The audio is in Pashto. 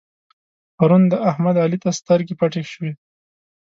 پرون د احمد؛ علي ته سترګې پټې شوې.